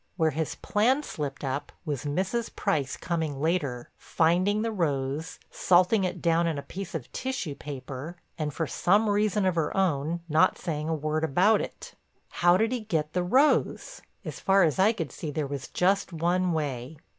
Where his plan slipped up was Mrs. Price coming later, finding the rose, salting it down in a piece of tissue paper, and, for some reason of her own, not saying a word about it. How did he get the rose? As far as I could see there was just one way.